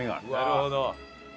なるほど。